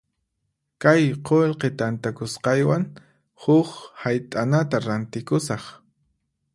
Kay qullqi tantakusqaywan huk hayt'anata rantikusaq.